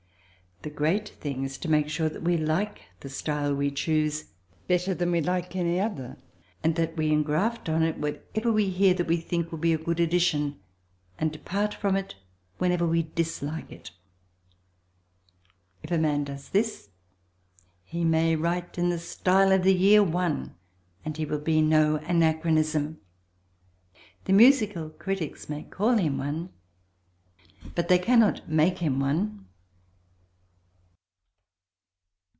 The great thing is to make sure that we like the style we choose better than we like any other, that we engraft on it whatever we hear that we think will be a good addition, and depart from it wherever we dislike it. If a man does this he may write in the style of the year one and he will be no anachronism; the musical critics may call him one but they cannot make him one.